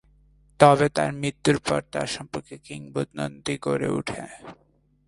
তবে তার মৃত্যুর পর তার সম্পর্কে কিংবদন্তী গড়ে উঠে।